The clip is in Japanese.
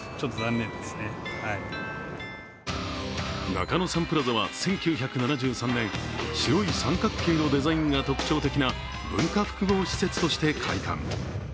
中野サンプラザは１９７３年、白い三角形のデザインが特徴的な文化複合施設として開館。